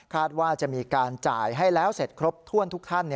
ว่าจะมีการจ่ายให้แล้วเสร็จครบถ้วนทุกท่าน